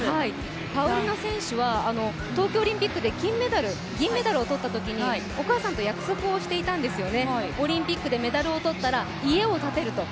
パウリノ選手は東京オリンピックでは銀メダルを取ったときにはお母さんと約束をとったときにオリンピックでメダルを取ったら家を建てると。